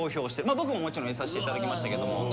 僕ももちろん入れさせて頂きましたけども。